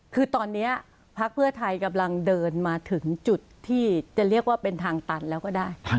คือตอนนี้พักเพื่อไทยกำลังเดินมาถึงจุดที่จะเรียกว่าเป็นทางตันแล้วก็ได้